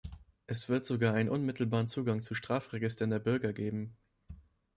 Es wird sogar einen unmittelbaren Zugang zu Strafregistern der Bürger geben.